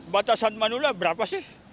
batasan manula berapa sih